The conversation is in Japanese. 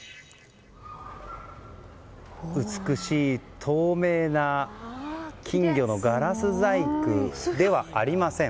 美しい透明な金魚のガラス細工ではありません。